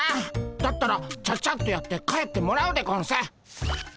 だったらちゃちゃっとやって帰ってもらうでゴンス。